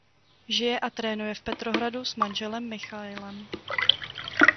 Žije a trénuje v Petrohradu s manželem Michailem.